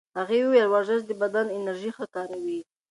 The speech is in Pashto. هغې وویل ورزش د بدن انرژي ښه کاروي.